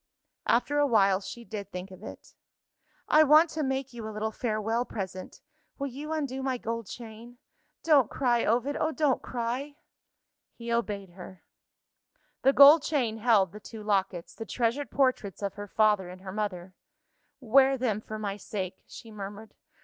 After a while, she did think of it. "I want to make you a little farewell present. Will you undo my gold chain? Don't cry, Ovid! oh, don't cry!" He obeyed her. The gold chain held the two lockets the treasured portraits of her father and her mother. "Wear them for my sake," she murmured.